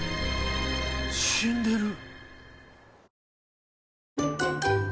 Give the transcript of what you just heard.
死んでる。